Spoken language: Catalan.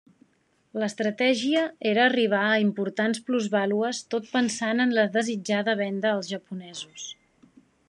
L'estratègia era arribar a importants plusvàlues tot pensant en la desitjada venda als japonesos.